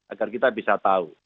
agar kita bisa tahu